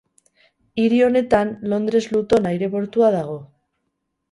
Hiri honetan Londres-Luton aireportua dago.